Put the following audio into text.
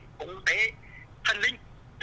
cũng tệ thần linh